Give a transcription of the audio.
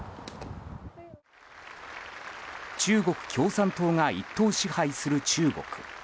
中国共産党が一党支配する中国。